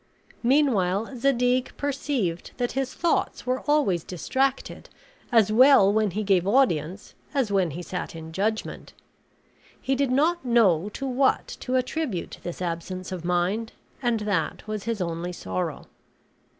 Meanwhile Zadig perceived that his thoughts were always distracted, as well when he gave audience as when he sat in judgment. He did not know to what to attribute this absence of mind; and that was his only sorrow.